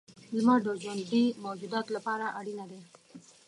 • لمر د ژوندي موجوداتو لپاره اړینه دی.